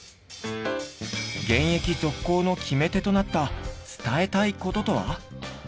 現役続行の決め手となった伝えたい事とは？